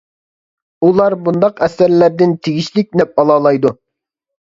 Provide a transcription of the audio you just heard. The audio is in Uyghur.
ئۇلار بۇنداق ئەسەرلەردىن تېگىشلىك نەپ ئالالايدۇ.